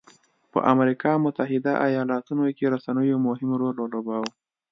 په امریکا متحده ایالتونو کې رسنیو مهم رول ولوباوه.